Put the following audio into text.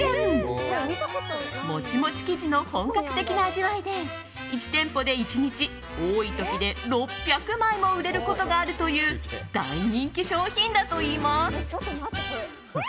モチモチ生地の本格的な味わいで１店舗で１日多い時で６００枚も売れることがあるという大人気商品だといいます。